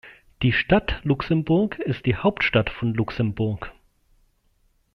Die Stadt Luxemburg ist die Hauptstadt von Luxemburg.